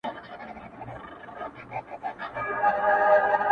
ستا خو د سونډو د خندا خبر په لپه كي وي.